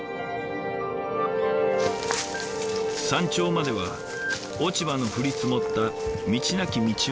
山頂までは落ち葉の降り積もった道